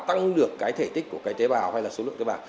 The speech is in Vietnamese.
tăng được cái thể tích của cái tế bào hay là số lượng tế bào